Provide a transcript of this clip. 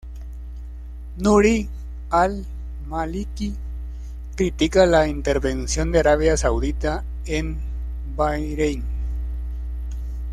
Nuri al-Maliki critica la intervención de Arabia Saudita en Bahrein.